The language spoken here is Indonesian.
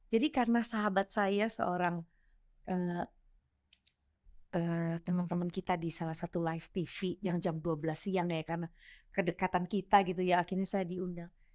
jadi karena sahabat saya seorang teman teman kita di salah satu live tv yang jam dua belas siang ya karena kedekatan kita gitu ya akhirnya saya diundang